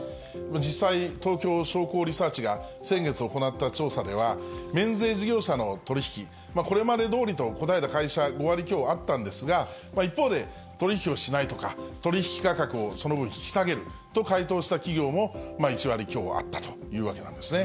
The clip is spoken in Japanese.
実際、東京商工リサーチが先月行った調査では、免税事業者の取り引き、これまでどおりと答えた会社、５割強あったんですが、一方で取り引きをしないとか、取り引き価格をその分、引き下げると回答した企業も、１割強あったというわけなんですね。